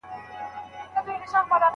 دودونه د خلکو په ورځني ژوند کې مهم دي.